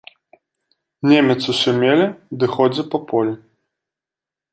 Немец усё меле ды ходзе па полі.